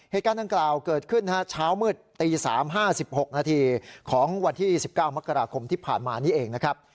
เหตุการณ์ดังกล่าวเกิดขึ้นเช้ามืดตี๓๕๖นาทีของวันที่๑๙มกราคมที่ผ่านมานี้เองนะครับ